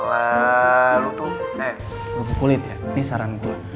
ee lo tuh eh kerupuk kulit ya ini saran gue